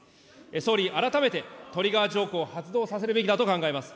総理、改めてトリガー条項を発動させるべきだと考えます。